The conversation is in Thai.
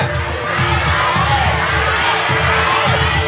คุณแม่